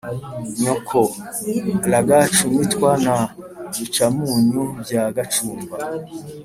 nyoko; ragacu mitwa na bicumunyu bya gacumba